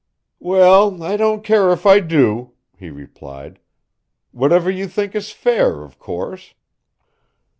"Well, I don't care if I do," he replied. "Whatever you think is fair, of course."